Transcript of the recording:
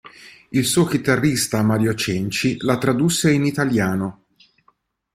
Il suo chitarrista Mario Cenci la tradusse in italiano.